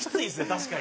確かに。